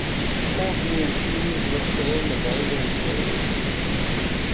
Her whole being seethed with shame and anger and humiliation.